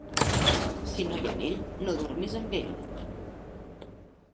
Si no hi ha anell no dormis amb ell.